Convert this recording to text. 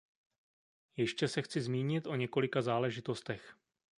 Ještě se chci zmínit o několika záležitostech.